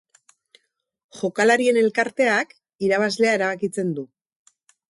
Jokalarien Elkarteak irabazlea erabakitzen du.